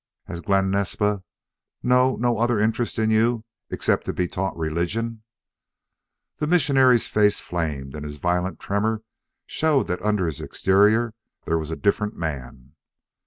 "Has Glen Naspa no no other interest in you except to be taught religion?" The missionary's face flamed, and his violent tremor showed that under his exterior there was a different man.